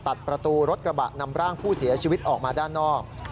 ตัดประตูรถกระบะนำร่างผู้เสียชีวิตออกมาด้านนอก